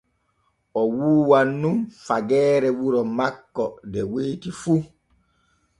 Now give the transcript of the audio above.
O wuuwan nun fageere wuro makko de weeti fu.